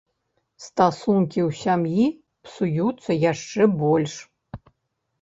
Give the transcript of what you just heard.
Стасункі ў сям'і псуюцца яшчэ больш.